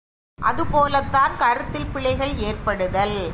அதுபோலத்தான் கருத்தில் பிழைகள் ஏற்படுதல்.